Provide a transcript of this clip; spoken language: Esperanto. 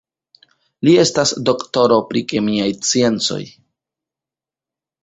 Li estas doktoro pri kemiaj sciencoj.